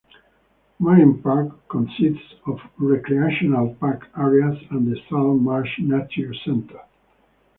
Marine Park consists of recreational park areas and the Salt Marsh Nature Center.